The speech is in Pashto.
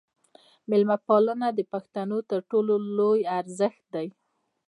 میلمه پالنه د پښتنو تر ټولو لوی ارزښت دی.